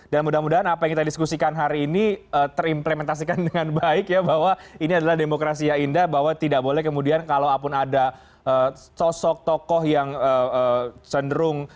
dan mudah mudahan apa yang kita diskusikan hari ini terimplementasikan dengan baik ya bahwa ini adalah demokrasi yang indah bahwa tidak boleh kemudian kalau apun ada sosok tokoh yang cenderung